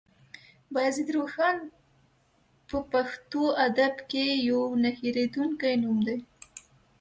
بايزيد روښان په پښتو ادب کې يو نه هېرېدونکی نوم دی.